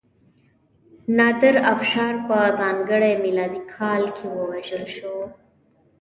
نادرافشار په ځانګړي میلادي کال کې ووژل شو.